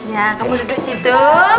ya kamu duduk di situ